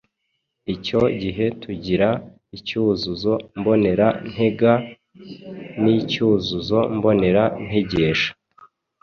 Icyo gihe tugira icyuzuzo mbonera ntega n’icyuzuzo mbonera ntegesha.